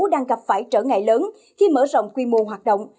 đang gặp phải trở ngại lớn khi mở rộng quy mô hoạt động